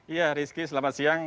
iya rizky selamat siang